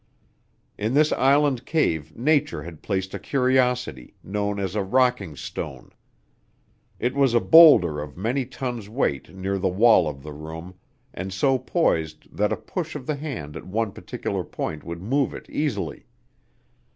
In this island cave nature had placed a curiosity, known as a rocking stone. In was a boulder of many tons' weight near the wall of the room, and so poised that a push of the hand at one particular point would move it easily.